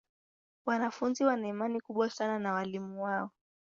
Wanafunzi wana imani kubwa sana na walimu wao.